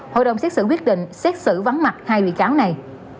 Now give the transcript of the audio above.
hội đồng xét xử quyết định xét xử vắng mặt hai bị cáo này